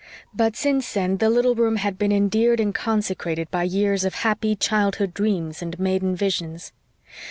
But since then the little room had been endeared and consecrated by years of happy childhood dreams and maiden visions.